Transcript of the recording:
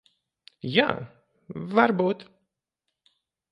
Jā, varbūt.